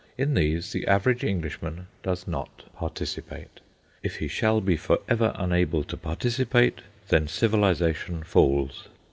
In these the average Englishman does not participate. If he shall be forever unable to participate, then Civilisation falls.